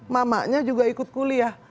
mamanya juga ikut kuliah